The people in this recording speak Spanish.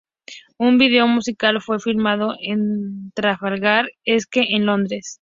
Un video musical fue filmado en Trafalgar Square en Londres.